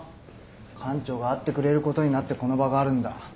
館長が会ってくれることになってこの場があるんだ。